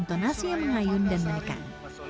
intonasi yang mengayun dan menekan